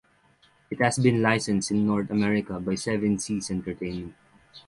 It has been licensed in North America by Seven Seas Entertainment.